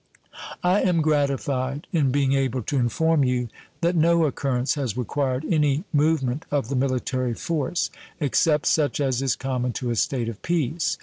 I am gratified in being able to inform you that no occurrence has required any movement of the military force, except such as is common to a state of peace.